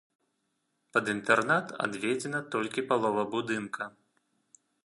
Пад інтэрнат адведзена толькі палова будынка.